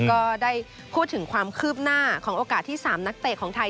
ก็ได้พูดถึงความคืบหน้าของโอกาสที่๓นักเตะของไทย